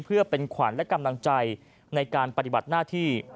เพื่อเป็นขวัญและกำลังใจในการปฏิบัติหน้าที่